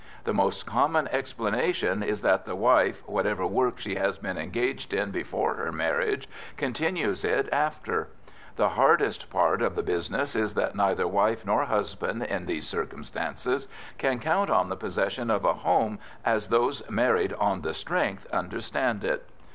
The most common explanation is that the wife, whatever work she has been engaged in before her marriage, continues it after; the hardest part of the business is that neither wife nor husband, in these circumstances, can count on the possession of a home as those married "on the strength" understand it.